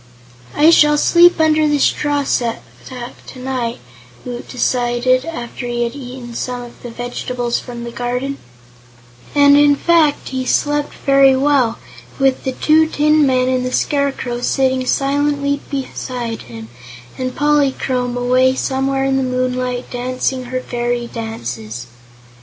"I shall sleep under the straw stack tonight," Woot decided, after he had eaten some of the vegetables from the garden, and in fact he slept very well, with the two tin men and the Scarecrow sitting silently beside him and Polychrome away somewhere in the moonlight dancing her fairy dances.